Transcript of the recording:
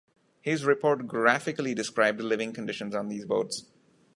His report graphically described living conditions on these boats.